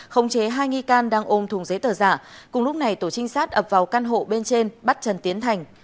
khống chế hai nghi can đang ôm thùng giấy tờ giả cùng lúc này tổ trinh sát ập vào căn hộ bên trên bắt trần tiến thành